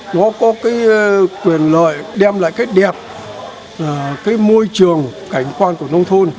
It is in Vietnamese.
nó có cái quyền lợi đem lại cái đẹp cái môi trường cảnh quan của nông thôn